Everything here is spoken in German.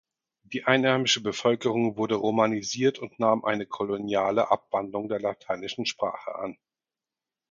Die einheimische Bevölkerung wurde romanisiert und nahm eine koloniale Abwandlung der lateinischen Sprache an.